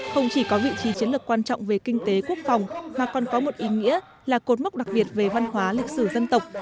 không chỉ có vị trí chiến lược quan trọng về kinh tế quốc phòng mà còn có một ý nghĩa là cột mốc đặc biệt về văn hóa lịch sử dân tộc